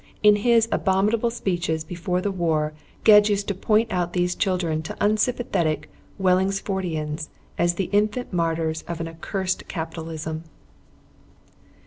In his abominable speeches before the war Gedge used to point out these children to unsympathetic Wellingsfordians as the Infant Martyrs of an Accursed Capitalism.